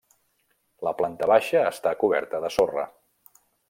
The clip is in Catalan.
La planta baixa està coberta de sorra.